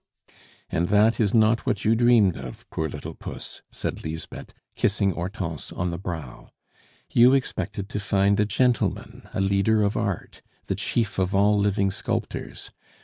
"And that is not what you dreamed of, poor little puss!" said Lisbeth, kissing Hortense on the brow. "You expected to find a gentleman, a leader of Art, the chief of all living sculptors.